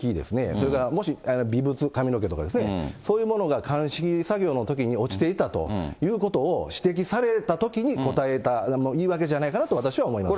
それからもし微物、髪の毛とかですね、そういうものが鑑識作業のときに落ちていたということを指摘されたときに、答えた、いいわけじゃないかなと私は思いますね。